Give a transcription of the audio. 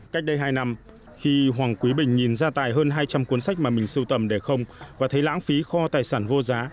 cách đây hai năm khi hoàng quý bình nhìn ra tài hơn hai trăm linh cuốn sách mà mình sưu tầm để không và thấy lãng phí kho tài sản vô giá